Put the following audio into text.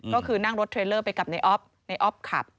ก็คือนั่งรถเทรลเลอร์ไปกับนายอ๊อบนายอ๊อบขับ